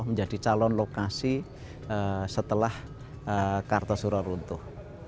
menjadi calon lokasi setelah kartasura runtuh